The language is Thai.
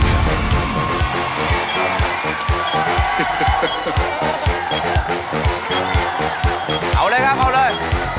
เราเลยนะเขาเลย